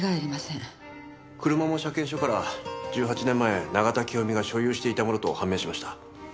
車も車検証から１８年前永田清美が所有していたものと判明しました。